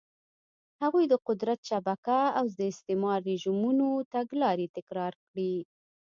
هغوی د قدرت شبکه او د استعماري رژیمونو تګلارې تکرار کړې.